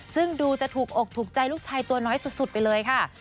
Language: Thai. ซึ่งดูจะถูกอกถูกใจลูกชายตัวน้อยสุดไปเลยค่ะ